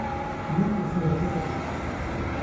Duke of Lauderdale.